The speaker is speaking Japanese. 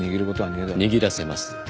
握らせます。